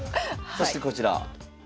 そしてこちら。